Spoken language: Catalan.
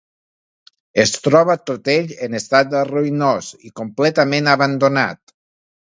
Es troba tot ell en estat ruïnós i completament abandonat.